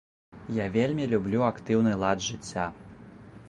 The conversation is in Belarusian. Я вельмі люблю актыўны лад жыцця.